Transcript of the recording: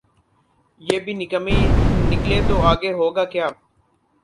یہ بھی نکمیّ نکلے تو آگے ہوگاکیا؟